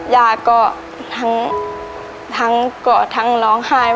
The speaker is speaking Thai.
ยาก็ทั้งก็ทั้งร้องไห้